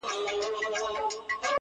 ځاله د زمرو سوه په نصیب د سورلنډیو-